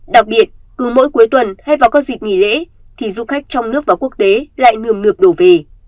đặc biệt cứ mỗi cuối tuần hay vào các dịp nghỉ lễ thì du khách trong nước và quốc tế lại nườm nượp đổ về